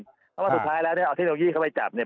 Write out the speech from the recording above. เพราะว่าสุดท้ายแล้วเนี่ยเอาเทคโนโลยีเข้าไปจับเนี่ย